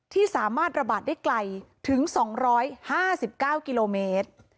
ที่สามารถระบาดได้ไกลถึง๒๕๙กิโลเมตร